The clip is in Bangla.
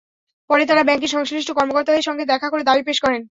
পরে তাঁরা ব্যাংকের সংশ্লিষ্ট কর্মকর্তাদের সঙ্গে দেখা করে দাবি পেশ করেন।